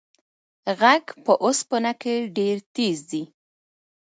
غږ په اوسپنه کې ډېر تېز ځي.